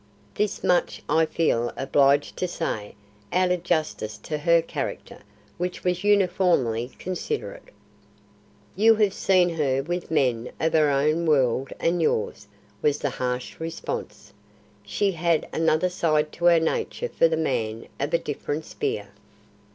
This much I feel obliged to say, out of justice to her character, which was uniformly considerate." "You have seen her with men of her own world and yours," was the harsh response. "She had another side to her nature for the man of a different sphere.